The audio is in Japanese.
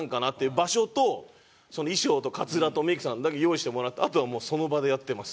場所と衣装とカツラとメイクさんだけ用意してもらってあとはもうその場でやってます。